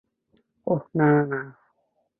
ওহ, না, না, না।